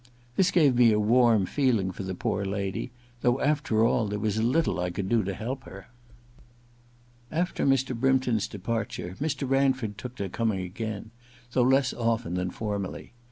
This gave me a warm feeling for the poor lady, though after all there was little I could do to help her. After Mr. Brympton's departure Mr. Ran ford took to coming again, though less often than formerly.